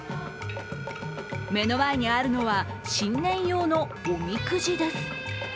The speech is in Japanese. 目の前にあるのは新年用のおみくじです。